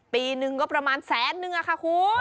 ปีหนึ่งก็ประมาณแสนนึงค่ะคุณ